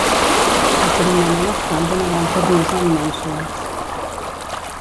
El coronament es fa amb una gran cornisa amb mènsules.